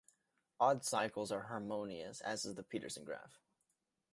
Odd cycles are harmonious, as is the Petersen graph.